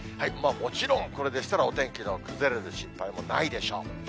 もちろん、これでしたら、お天気の崩れる心配もないでしょう。